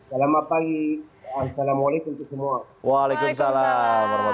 selamat pagi assalamualaikum untuk semua